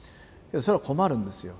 それは困るんですよ。